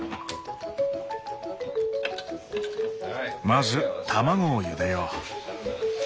まず卵をゆでよう。